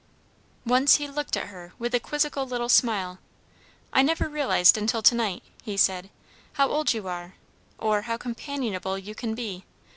Once he looked at her with a quizzical little smile. "I never realised until to night," he said, "how old you are, or how companionable you can be.